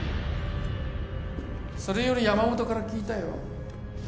それより山本から聞いたよ